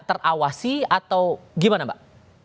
terawasi atau gimana mbak